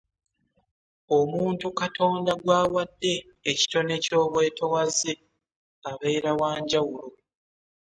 Omuntu Katonda gw'awadde ekitone ky'obwetowaze abeera wa njawulo.